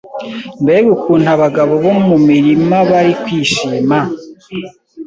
Mbega ukuntu abagabo bo mumirima bari kwishima